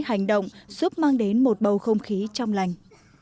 hành động giúp mang đến một bầu không khí trong lành